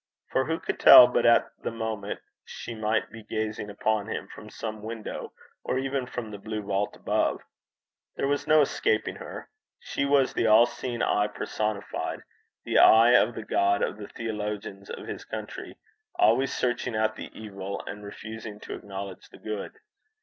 For who could tell but at the moment she might be gazing upon him from some window, or even from the blue vault above? There was no escaping her. She was the all seeing eye personified the eye of the God of the theologians of his country, always searching out the evil, and refusing to acknowledge the good.